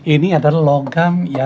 ini adalah logam ya